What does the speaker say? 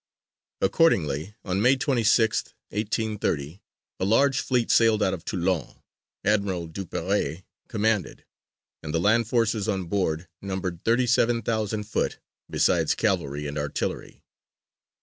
Accordingly, on May 26th, 1830, a large fleet sailed out of Toulon. Admiral Duperré commanded, and the land forces on board numbered thirty seven thousand foot, besides cavalry and artillery.